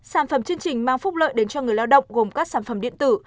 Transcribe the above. sản phẩm chương trình mang phúc lợi đến cho người lao động gồm các sản phẩm điện tử